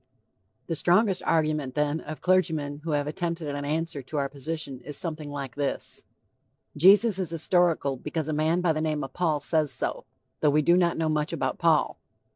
The strongest argument then of clergymen who have attempted an answer to our position is something like this: Jesus is historical because a man by the name of Paul says so, though we do not know much about Paul.